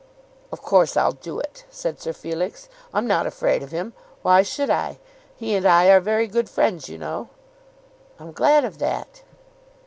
"Of course I'll do it," said Sir Felix. "I'm not afraid of him. Why should I? He and I are very good friends, you know." "I'm glad of that."